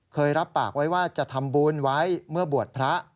รับปากไว้ว่าจะทำบุญไว้เมื่อบวชพระ